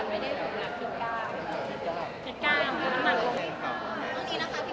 เป็นคนนอกโลการ